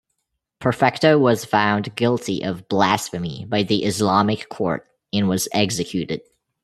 Perfecto was found guilty of blasphemy by the Islamic court and was executed.